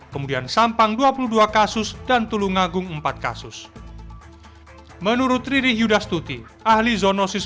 kemudian sampang dua puluh dua kasus dan tulungagung empat kasus menurut riri yudastuti ahli zoonosis